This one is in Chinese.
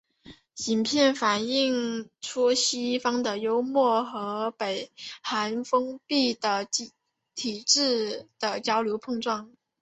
影片反映出西方幽默与北韩封闭的体制的交流碰撞。